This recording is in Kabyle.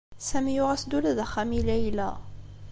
Sami yuɣ-as-d ula d axxam i Layla.